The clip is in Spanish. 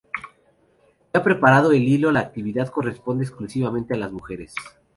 Ya preparado el hilo, la actividad corresponde exclusivamente a las mujeres.